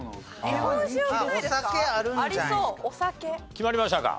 決まりましたか？